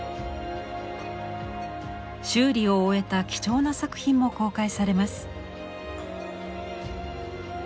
修理を終えた貴重な作品も公開されます。